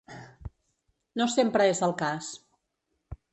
No sempre és el cas.